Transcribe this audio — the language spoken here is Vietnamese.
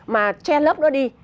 mà che lấp nó đi